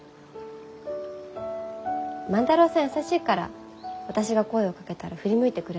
万太郎さん優しいから私が声をかけたら振り向いてくれます。